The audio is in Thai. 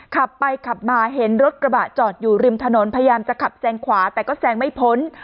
ขับไปขับมาเห็นรถกระบะจอดอยู่ริมถนนพยายามจะขับแซงขวาแต่ก็แซงไม่พ้น